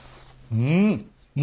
うん。